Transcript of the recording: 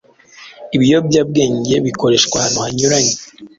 ibiyobyabwenge bikoreshwa ahantu hanyuranye